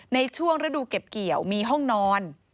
ในช่วงฤดูเก็บเกี่ยวมีห้องนอน